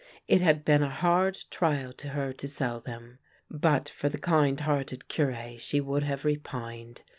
It had been a hard trial to her to sell them. But for the kind hearted Cure she would have repined.